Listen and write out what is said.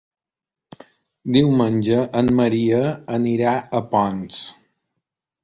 Diumenge en Maria anirà a Ponts.